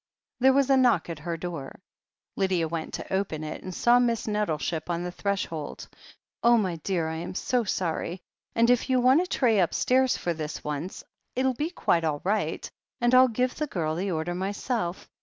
There was a knock at her door. Lydia went to open it, and saw Miss Nettleship on the threshold. "Oh, my dear, I am so sorry, and if you want a tray upstairs for this once, it'll be quite all right, and rU give the girl the order myself.